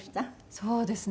そうですね。